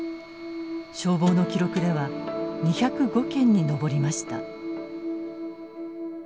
消防の記録では２０５件に上りました。